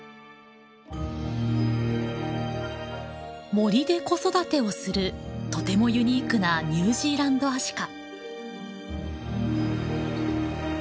森で子育てをするとてもユニークなニュージーランドアシカ。